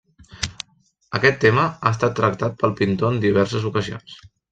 Aquest tema ha estat tractat pel pintor en diverses ocasions.